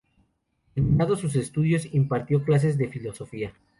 Terminados sus estudios impartió clases de Filosofía.